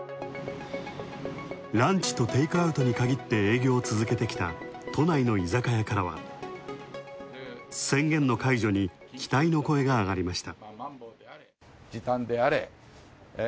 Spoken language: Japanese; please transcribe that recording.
ランチとテイクアウトに限って営業を続けてきた都内の居酒屋からは、宣言の解除に期待の声が上がりました。